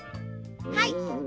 はい。